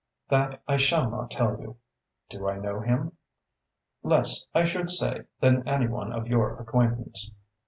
"That I shall not tell you." "Do I know him?" "Less, I should say, than any one of your acquaintance."